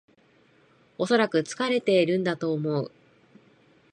おそらく疲れてるんだと思う